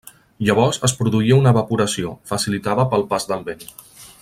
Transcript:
Llavors es produïa una evaporació, facilitada pel pas del vent.